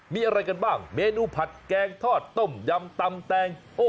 มีอะไรกันบ้างเมนูผัดแกงทอดต้มยำตำแตง